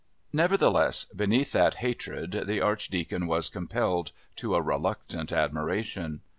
Nevertheless beneath that hatred the Archdeacon was compelled to a reluctant admiration.